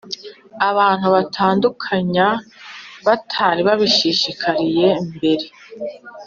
abantu batandukanya batari babishishikariye mbere